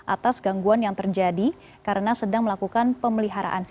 atas gangguan yang terjadi karena sedang melakukan pemeliharaan